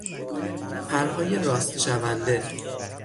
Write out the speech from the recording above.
پرهای راست شونده